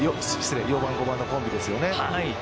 ４番、５番のコンビですよね。